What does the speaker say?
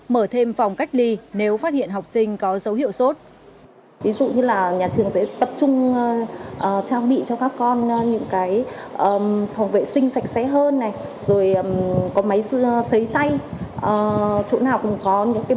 mở thêm phòng cách ly nếu phát hiện học sinh có dấu hiệu sốt